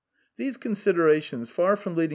These considerations, far from leading M.